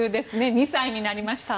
２歳になりました。